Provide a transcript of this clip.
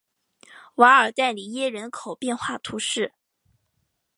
瓦尔代里耶人口变化图示